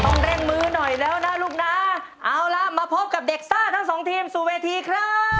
ต้องเร่งมือหน่อยแล้วนะลูกนะเอาล่ะมาพบกับเด็กซ่าทั้งสองทีมสู่เวทีครับ